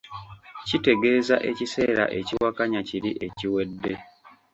kitegeeza ekiseera ekiwakanya kiri ekiwedde.